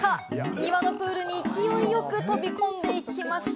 庭のプールに勢いよく飛び込んでいきました。